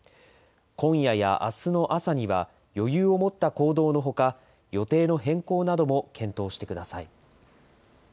今夜やあすの朝には余裕を持った行動のほか、予定の変更なども検討してください。